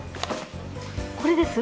これです？